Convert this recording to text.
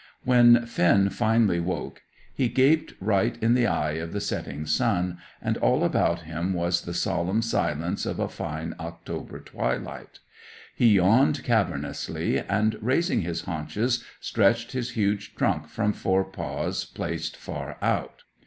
When Finn finally woke he gaped right in the eye of the setting sun, and all about him was the solemn silence of a fine October twilight. He yawned cavernously, and, raising his haunches, stretched his huge trunk from fore paws placed far out.